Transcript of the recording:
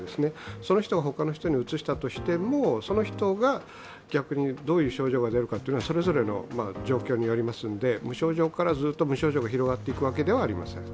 その人は他の人にうつしたとしても、その人が逆にどういう症状が出るかはそれぞれの状況によりますので無症状からずっと無症状が広がっていくわけではありません。